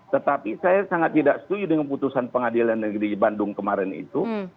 tetapi saya sangat tidak setuju dengan putusan pengadilan negeri bandung kemarin itu